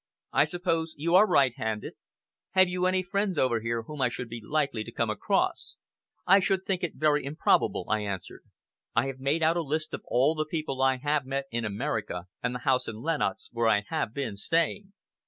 I suppose you are right handed? Have you any friends over here whom I should be likely to come across?" "I should think it very improbable," I answered. "I have made out a list of all the people I have met in America, and the house in Lenox where I have been staying."